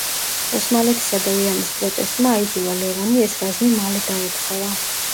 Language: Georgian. ოსმალეთისა და ირანის პროტესტმა აიძულა ლევანი ეს რაზმი მალე დაეთხოვა.